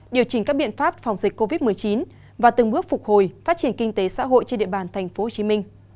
điều chỉnh các biện pháp phòng dịch covid một mươi chín và từng bước phục hồi phát triển kinh tế xã hội trên địa bàn tp hcm